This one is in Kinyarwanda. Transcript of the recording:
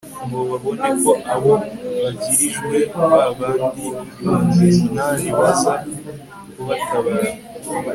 ngo babone ko abo bagirijwe, ba bandi ibihumbi munani baza kubatabara